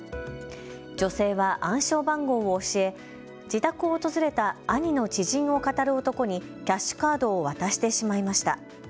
女性は暗証番号を教え自宅を訪れた兄の知人をかたる男にキャッシュカードを渡してしまいました。